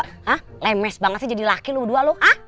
ha lemes banget sih jadi laki lu berdua lu ha